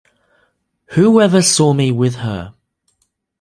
Who ever saw me with her?